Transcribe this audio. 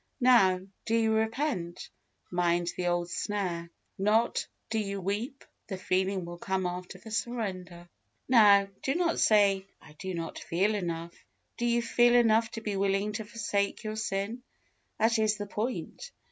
Now, do you repent? Mind the old snare. Not, do you weep? The feeling will come after the surrender. Now, do not say, "I do not feel enough." Do you feel enough to be willing to forsake your sin? that is the point.